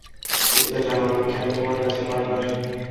তুমি তো জানো আমি কেন তোমার কাছে বার বার আসি।